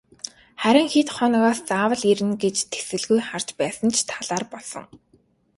Харин хэд хоногоос заавал ирнэ гэж тэсэлгүй харж байсан ч талаар болсон.